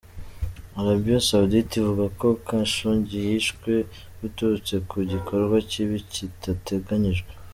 Arabie Saoudite ivuga ko Khashoggi yishwe biturutse ku "gikorwa kibi kitateganyijwe".